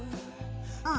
うん。